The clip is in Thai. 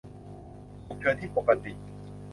"ฉุกเฉินที่ปกติ"